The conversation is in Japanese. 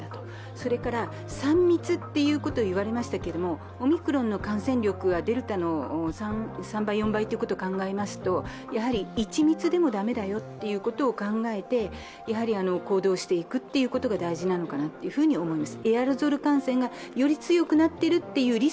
それから３密ということを言われましたけれども、オミクロンの感染力はデルタの３４倍ということを考えますと一律でも駄目だよということを考えて行動していくことが大事なのかなと思います。